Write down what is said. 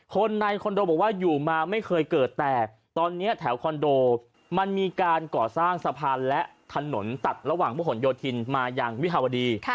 คนในคอนโดบอกว่าอยู่มาไม่เคยเกิดแต่ตอนนี้แถวคอนโดมันมีการก่อสร้างสะพานและถนนตัดระหว่างพระหลโยธินมาอย่างวิภาวดี